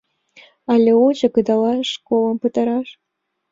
Але лучо кыдалаш школым пытараш?